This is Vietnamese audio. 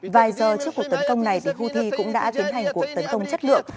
vài giờ trước cuộc tấn công này houthi cũng đã tiến hành cuộc tấn công chất lượng